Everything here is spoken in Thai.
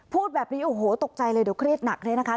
พูดแบบนี้โอ้โหตกใจเลยเดี๋ยวเครียดหนักเลยนะคะ